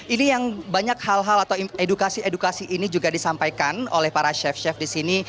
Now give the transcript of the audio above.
ini yang banyak hal hal atau edukasi edukasi ini juga disampaikan oleh para chef chef di sini